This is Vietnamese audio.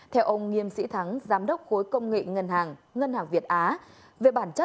theo ông nghiêm sĩ thắng giám đốc khối công nghệ ngân hàng việt á